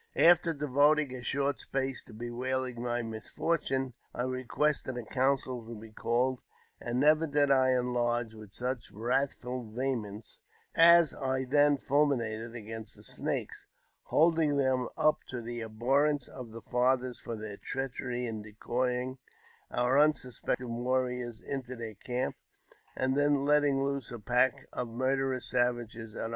j After devoting a short space to bewailing my misfortune, I bquested a council to be called, and never did I enlarge with iich wrathful vehemence as I then fulminated against the nakes, holding them up to the abhorrence of the fathers for leir treachery in decoying our unsuspecting warriors into their (imp, and then letting loose a pack of murderous savages at